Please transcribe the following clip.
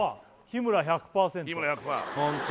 日村１００パー